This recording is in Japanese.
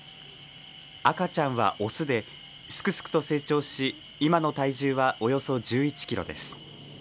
赤ちゃんはオスですくすくと成長し今の体重はおよそ１１キロです。